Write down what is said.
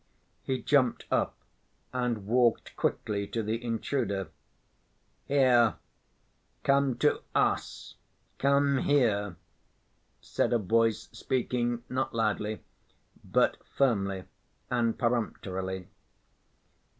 He jumped up and walked quickly to the intruder. "Here, come to us, come here," said a voice, speaking not loudly, but firmly and peremptorily.